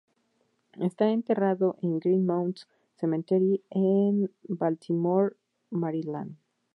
Está enterrado en Green Mount Cemetery, en Baltimore, Maryland.